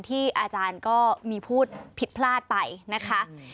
อาจารย์ก็มีพูดผิดพลาดไปนะคะ